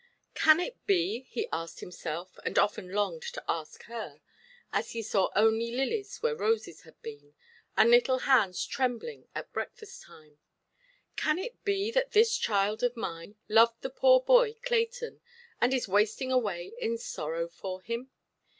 "Can it be", he asked himself, and often longed to ask her, as he saw only lilies where roses had been, and little hands trembling at breakfast–time, "can it be that this child of mine loved the poor boy Clayton, and is wasting away in sorrow for him?